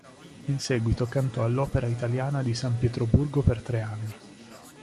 In seguito cantò all'Opera Italiana di San Pietroburgo per tre anni.